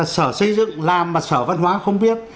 sở xây dựng làm mà sở văn hóa không biết